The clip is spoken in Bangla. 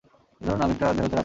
এই ধরুন আমি একটি দেহধারী আত্মা।